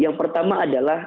yang pertama adalah